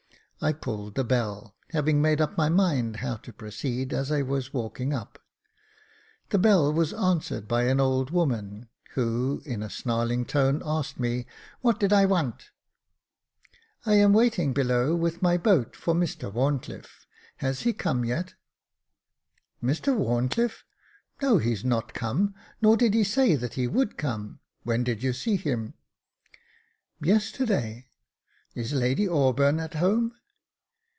I pulled the bell, having made up my mind how to proceed as I was walking up. The bell was answered by an old woman, who, in a snarling tone, asked me " what did I want ?" "I am waiting below, with my boat, for Mr Wharn cliife ; has he come yet ?" Jacob Faithful 307 " Mr WharnclifFe ! No — he's not come ; nor did he say that he would come ; when did you see him ?"*' Yesterday. Is Lady Auburn at home